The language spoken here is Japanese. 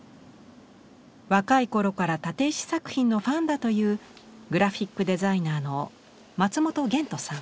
若い頃から立石作品のファンだというグラフィックデザイナーの松本弦人さん。